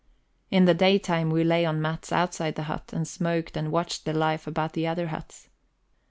In the daytime we lay on mats outside the hut, and smoked and watched the life about the other huts.